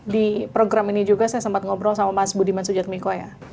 di program ini juga saya sempat ngobrol sama mas budiman sujatmiko ya